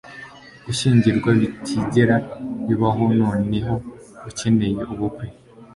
gushyingirwa bitigera bibaho noneho ukeneye ubukwe